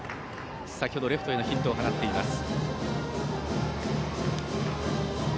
先程レフトへのヒットを放っています。